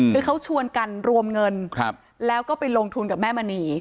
คือเขาชวนกันรวมเงินแล้วก็ไปลงทุนกับแม่มณี